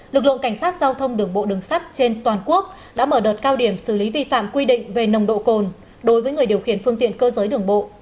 lực lượng cảnh sát giao thông đường bộ đường sắt trên toàn quốc đã mở đợt cao điểm xử lý vi phạm quy định về nồng độ cồn đối với người điều khiển phương tiện cơ giới đường bộ